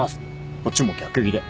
こっちも逆ギレ